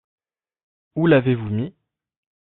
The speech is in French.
Où l’avez-vous mis ?